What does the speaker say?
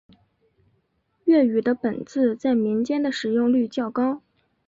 粤语的本字在民间的使用率较高。